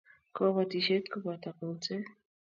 Kobotisiet koboto kolset